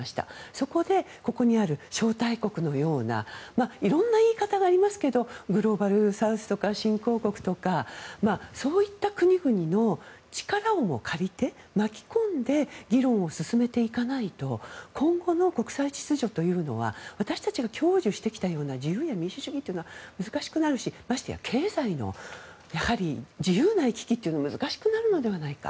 そこでここにある招待国のような色んな言い方はありますがグローバルサウスとか新興国とかそういった国々の力をも借りて巻き込んで議論を進めていかないと今後の国際秩序というのは私たちが享受してきたような自由や民主主義というのは難しくなるしましてや経済の自由な行き来というのも難しくなるのではないか。